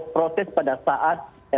proses pada saat